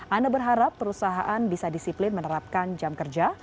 ana berharap perusahaan bisa disiplin menerapkan jam kerja